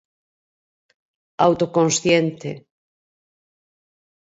Autoconsciente.